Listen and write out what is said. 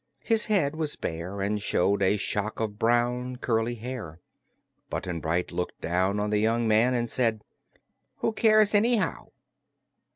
His head was bare and showed a shock of brown, curly hair. Button Bright looked down on the young man and said: "Who cares, anyhow?"